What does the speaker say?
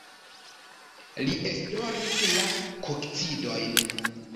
Li esploris la kokcidiojn.